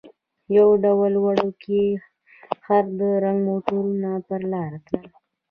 یو ډول وړوکي خړ رنګه موټرونه پر لار تلل.